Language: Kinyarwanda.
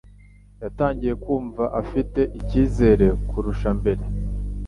yatangiye kumva afite icyizere kurusha mbere